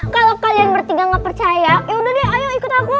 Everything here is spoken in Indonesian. kalau kalian bertiga gak percaya yaudah deh ayo ikut aku